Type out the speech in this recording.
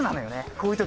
こういう時。